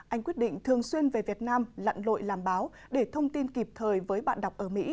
anh quyết định thường xuyên về việt nam lặn lội làm báo để thông tin kịp thời với bạn đọc ở mỹ